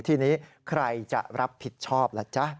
ทีนี้ใครจะรับผิดชอบล่ะจ๊ะ